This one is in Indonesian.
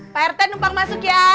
pak rt numpang masuk ya